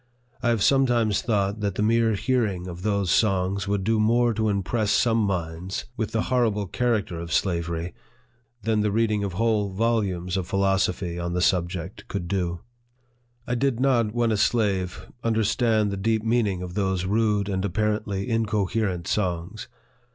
I have sometimes thought that the mere hearing of those songs would do more to impress some minds with the 14 NARRATIVE OF THE horrible character of slavery, than the reading of whole volumes of philosophy on the subject could do. I did not, when a slave, understand the deep mean ing of those rude and apparently incoherent songs.